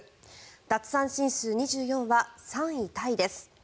奪三振数２４は３位タイです。